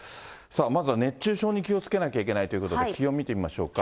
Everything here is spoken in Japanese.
まずは熱中症に気をつけなきゃいけないということで、気温見てみましょうか。